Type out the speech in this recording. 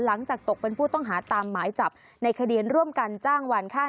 หลังจากตกเป็นผู้ต้องหาตามหมายจับในคดีร่วมกันจ้างวานค่า